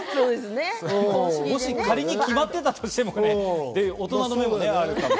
仮に決まっていたとしても、大人の目もあるかも。